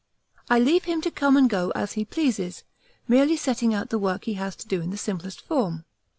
I leave him to come and go as he pleases, merely setting out the work he has to do in the simplest form.